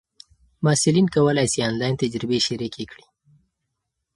محصلین کولای سي آنلاین تجربې شریکې کړي.